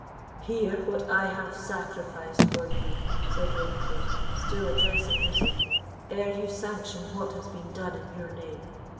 "Hear what I have sacrificed for you," said Ravenswood, still addressing Lucy, "ere you sanction what has been done in your name.